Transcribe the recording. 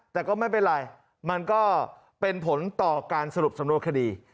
แต่ก็ไม่เป็นไรมันก็เป็นผลต่อการสรุปสำนวนคดี